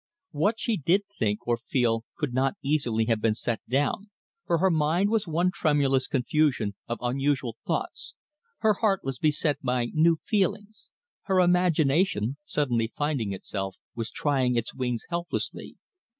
What she did think or feel could not easily have been set down, for her mind was one tremulous confusion of unusual thoughts, her heart was beset by new feelings, her imagination, suddenly finding itself, was trying its wings helplessly.